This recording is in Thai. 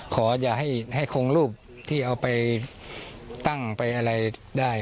อย่าให้คงรูปที่เอาไปตั้งไปอะไรได้